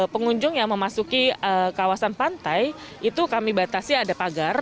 pengunjung yang memasuki kawasan pantai itu kami batasi ada pagar